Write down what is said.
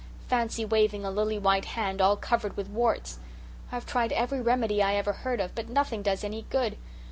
Fancy waving a lily white hand all covered with warts. I've tried every remedy I ever heard of, but nothing does any good.